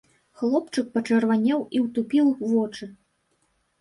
Хлопчык пачырванеў і ўтупіў вочы.